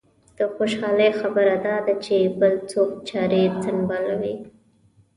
د خوشالۍ خبره دا ده چې بل څوک چارې سنبالوي.